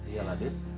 iya lah adit